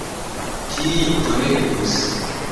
Tio bonegus!